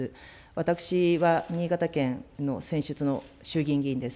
私は新潟県の選出の衆議院議員です。